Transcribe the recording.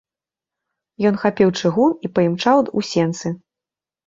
Ён хапіў чыгун і паімчаў у сенцы.